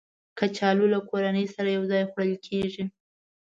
کچالو له کورنۍ سره یو ځای خوړل کېږي